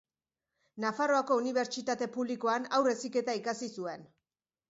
Nafarroako Unibertsitate Publikoan Haur Heziketa ikasi zuen.